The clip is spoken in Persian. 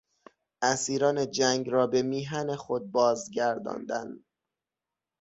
اسیران جنگ را به میهن خود بازگرداندن